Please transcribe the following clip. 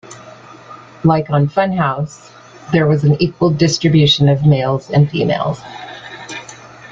Like on "Fun House", there was an equal distribution of males and females.